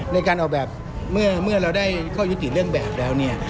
ในการออกแบบเมื่อเราได้ข้อยุติเรื่องแบบแล้วเนี่ย